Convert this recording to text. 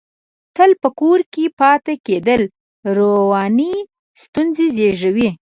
تل په کور کې پاتې کېدل، رواني ستونزې زېږوي.